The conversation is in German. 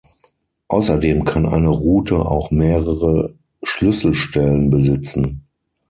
Außerdem kann eine Route auch mehrere Schlüsselstellen besitzen.